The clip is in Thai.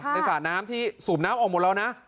สระน้ำที่สูบน้ำออกหมดแล้วนะ